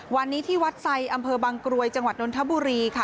วันนี้ที่วัดไซอำเภอบางกรวยจังหวัดนทบุรีค่ะ